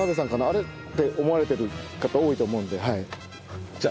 あれ？」って思われてる方多いと思うので。